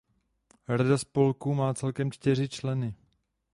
Rada spolku má celkem čtyři členy.